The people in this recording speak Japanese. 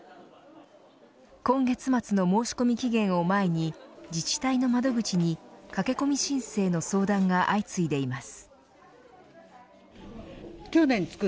今月末の申し込み期限を前に自治体の窓口に駆け込み申請の相談が相次いでいます。